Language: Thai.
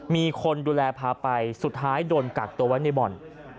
มีคนดูแลพาไปสุดท้ายโดนกักตัวไว้ในบ่อน